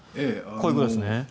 こういうことですね。